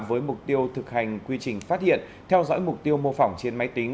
với mục tiêu thực hành quy trình phát hiện theo dõi mục tiêu mô phỏng trên máy tính